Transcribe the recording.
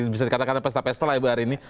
bisa dikatakan pesta pesta lah ya bu hari ini